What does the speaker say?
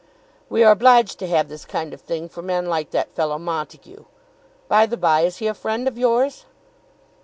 "We are obliged to have this kind of thing for men like that fellow Montague. By the bye, is he a friend of yours?"